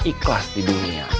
ikhlas di dunia